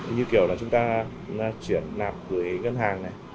như kiểu là chúng ta chuyển nạp gửi ngân hàng này